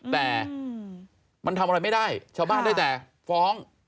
แต่มันทำอะไรไม่ได้ชาวบ้านได้แต่ฟ้อง